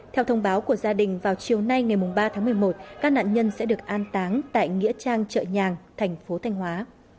theo thông báo của gia đình vào chiều nay ngày ba tháng một mươi một các nạn nhân sẽ được an táng tại nghĩa trang trợ nhàng thành phố thanh hóa